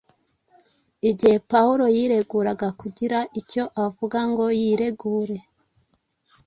Igihe Pawulo yiteguraga kugira icyo avuga ngo yiregure,